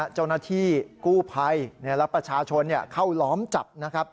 เจ้าหน้าที่กู้ภัยและประชาชนเข้าล้อมจับนะครับ